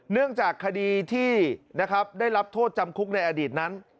เนื่องจากคดีที่นะครับได้รับโทษจำคุกในอดีตนั้น